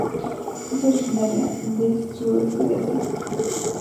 Es originaria des Suroeste de Asia.